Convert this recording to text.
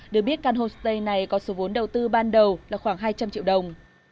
được biết căn homestay này có số vốn đầu tư ban đầu là khoảng hai trăm linh triệu đồng